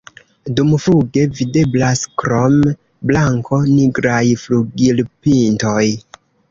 Dumfluge videblas krom blanko nigraj flugilpintoj.